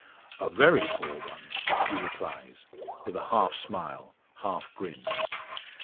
"A very poor one," he replies, with a half smile, half grin.